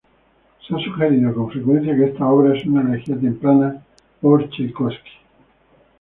Se ha sugerido con frecuencia que esta obra es una elegía temprana por Chaikovski.